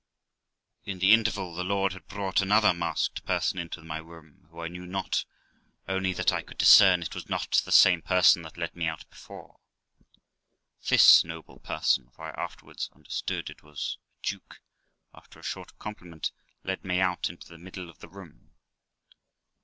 In the interval, my Lord had brought another masked person into my room, who I knew not, only that I could discern it was not the same person that led me out before. This noble person (for I afterwards under stood it was the Duke of ), after a short compliment, led me out into the middle of the room.